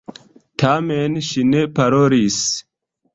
Tamen ŝi ne parolis.